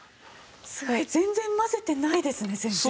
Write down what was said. すごい全然混ぜてないですね先生ね。